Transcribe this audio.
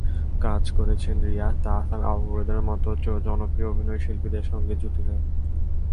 কাজ করেছেন রিয়াজ, তাহসান, অপূর্বদের মতো জনপ্রিয় অভিনয়শিল্পীদের সঙ্গে জুটি হয়ে।